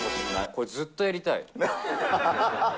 これ、ずっとやりたい。